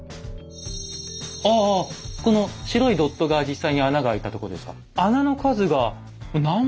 ああこの白いドットが実際に穴があいたとこですか？